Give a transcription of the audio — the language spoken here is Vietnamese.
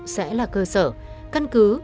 sẽ là cơ sở căn cứ